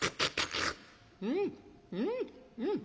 うんうんうん。